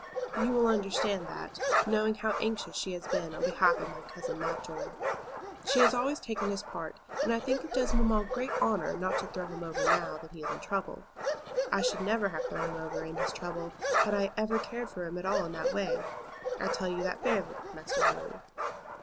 You will understand that, knowing how anxious she has been on behalf of my cousin Mountjoy. She has always taken his part, and I think it does mamma great honor not to throw him over now that he is in trouble. I should never have thrown him over in his trouble, had I ever cared for him in that way. I tell you that fairly, Master Harry.